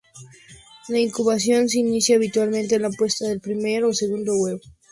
La incubación se inicia habitualmente con la puesta del primer o segundo huevo.